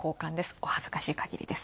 お恥ずかしいかぎりです。